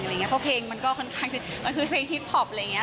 เพราะเพลงมันก็ค่อนข้างมันคือเพลงฮิตพอปอะไรอย่างนี้